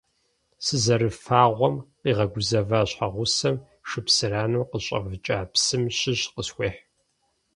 Сызэрыфагъуэм къигъэгузэва щхьэгъусэм шыпсыранэм къыщӀэвыкӀа псым щыщ къысхуехь.